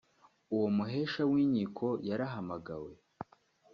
uwo muhesha w’inkiko yarahamagawe